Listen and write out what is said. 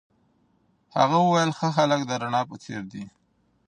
هغه وویل چي ښه خلک د رڼا په څېر دي.